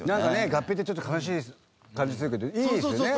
合併ってちょっと悲しい感じするけどいいよね。